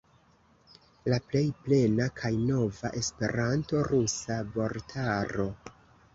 La plej plena kaj nova esperanto-rusa vortaro.